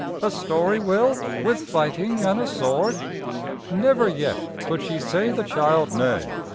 "A story, Will, with fighting and a sword?" Never yet could she say the child nay.